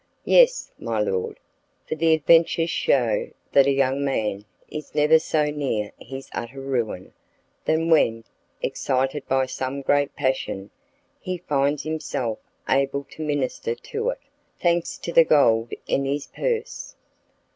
"Yes, my lord, for the adventures shew that a young man is never so near his utter ruin than when, excited by some great passion, he finds himself able to minister to it, thanks to the gold in his purse."